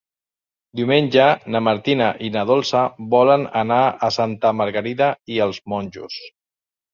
Diumenge na Martina i na Dolça volen anar a Santa Margarida i els Monjos.